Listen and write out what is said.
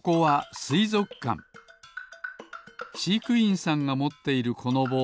しいくいんさんがもっているこのぼう。